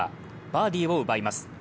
バーディーを奪います。